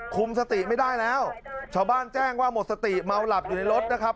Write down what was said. คุมสติไม่ได้แล้วชาวบ้านแจ้งว่าหมดสติเมาหลับอยู่ในรถนะครับ